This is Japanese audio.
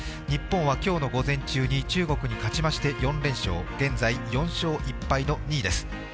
日本は今日の午前中に中国に勝ちまして４連勝、現在、４勝１敗の２位です。